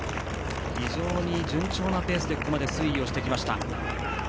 非常に順調なペースでここまで推移してきました。